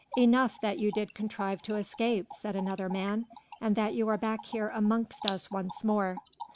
"Enough that you did contrive to escape," said another man, "and that you are back here amongst us once more."